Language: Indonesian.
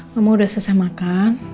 mama udah selesai makan